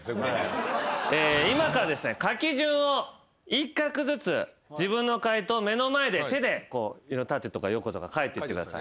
今から書き順を１画ずつ自分の解答を目の前で手で縦とか横とか書いていってください。